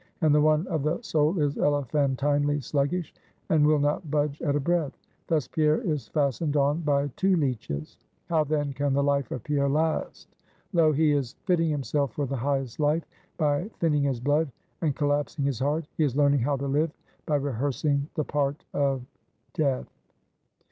And the one of the soul is elephantinely sluggish, and will not budge at a breath. Thus Pierre is fastened on by two leeches; how then can the life of Pierre last? Lo! he is fitting himself for the highest life, by thinning his blood and collapsing his heart. He is learning how to live, by rehearsing the part of death.